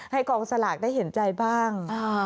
กองสลากได้เห็นใจบ้าง